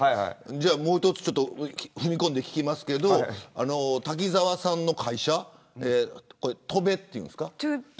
もう一つ踏み込んで聞きますけど滝沢さんの会社とべっていうんですか。